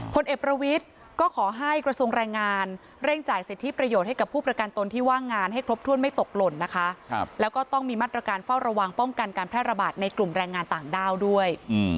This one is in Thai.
พลเอกประวิทย์ก็ขอให้กระทรวงแรงงานเร่งจ่ายสิทธิประโยชน์ให้กับผู้ประกันตนที่ว่างงานให้ครบถ้วนไม่ตกหล่นนะคะแล้วก็ต้องมีมาตรการเฝ้าระวังป้องกันการแพร่ระบาดในกลุ่มแรงงานต่างด้าวด้วย